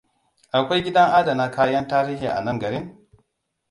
Akwai gidan adana kayan tarihi a nan garin?